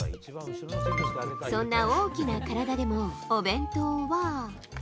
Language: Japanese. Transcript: そんな大きな体でもお弁当は。